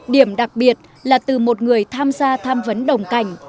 điểm đặc biệt là từ một người tham gia tham vấn đồng cảnh